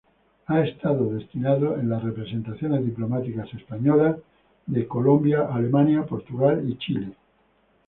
Ha estado destinado en las representaciones diplomáticas españolas en Colombia, Alemania, Portugal y Chile.